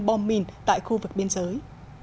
bom mìn tại khu vực biên giới